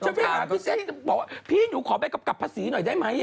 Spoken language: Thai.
ไปหาพี่เซ็กบอกว่าพี่หนูขอใบกำกับภาษีหน่อยได้ไหม